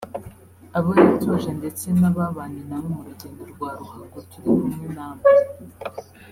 abo yatoje ndetse n'ababanye nawe mu rugendo rwa ruhago turi kumwe namwe